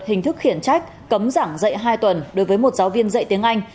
hình thức khiển trách cấm giảng dạy hai tuần đối với một giáo viên dạy tiếng anh